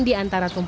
di antara tubuhnya